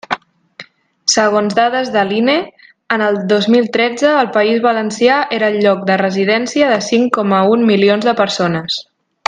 Segons dades de l'INE, en el dos mil tretze el País Valencià era el lloc de residència de cinc coma un milions de persones.